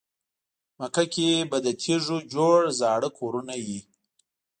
مکه کې به له تیږو جوړ زاړه کورونه وي.